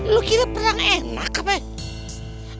lo kira perang enak apa ya